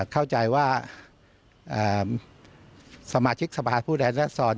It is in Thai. เข้าใจว่าสมาชิกสภาพุทธแรศดร